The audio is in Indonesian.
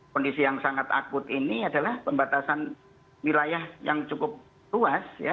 kondisi yang sangat akut ini adalah pembatasan wilayah yang cukup luas ya